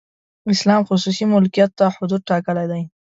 اسلام خصوصي ملکیت ته حدود ټاکلي دي.